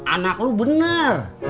anak lu bener